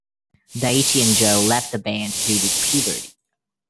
Daichi and Joe left the band due to puberty.